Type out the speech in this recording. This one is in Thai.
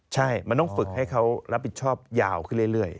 ใช่มันต้องฝึกให้เขารับผิดชอบยาวขึ้นเรื่อย